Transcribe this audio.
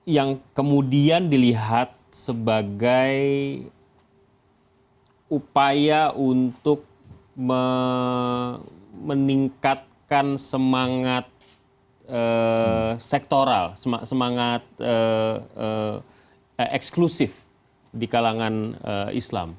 yang kemudian dilihat sebagai upaya untuk meningkatkan semangat sektoral semangat eksklusif di kalangan islam